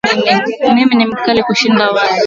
Mimi ni mkali kushinda wale